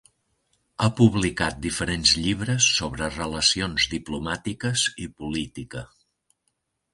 Ha publicat diferents llibres sobre relacions diplomàtiques i política.